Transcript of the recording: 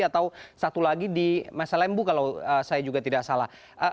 atau satu lagi di masalembu kalau saya juga tidak salah